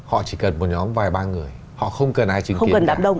họ chỉ là ba người họ không cần ai chứng kiến cả